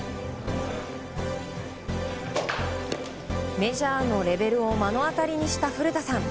メジャーのレベルを目の当たりにした古田さん。